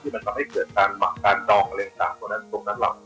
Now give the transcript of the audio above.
ที่มันทำให้เกิดการเหมาะการดองเร็งต่างตรงนั้นตรงนั้นหลัง